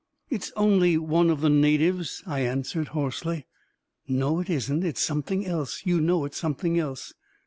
" It's only one of the natives," I answered hoarsely. " No, it isn't ! It's something else ! You know it's something else